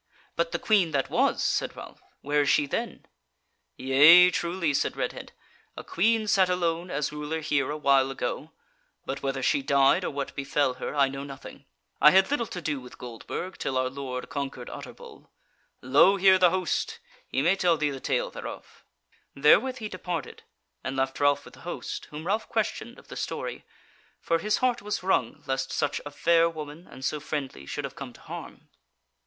"But the Queen that was," said Ralph, "where is she then?" "Yea truly," said Redhead, "a Queen sat alone as ruler here a while ago; but whether she died, or what befell her, I know nothing. I had little to do with Goldburg till our lord conquered Utterbol. Lo here the host! he may tell thee the tale thereof." Therewith he departed, and left Ralph with the host, whom Ralph questioned of the story, for his heart was wrung lest such a fair woman and so friendly should have come to harm.